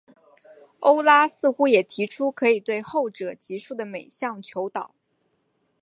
欧拉似乎也提出可以对后者级数的每项求导。